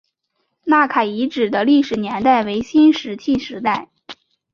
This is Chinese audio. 纳卡遗址的历史年代为新石器时代。